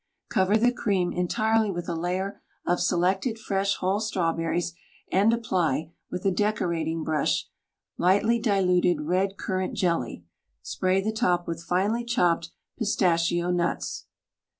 Cover the cream entirely with a layer of selected fresh whole strawberries, and apply, with a decorating brush, lightly diluted red currant jelly; spray the top with finely chopped pistachio nuts.